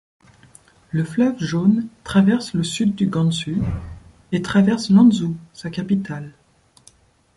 Le fleuve Jaune traverse le sud du Gansu et traverse Lanzhou, sa capitale.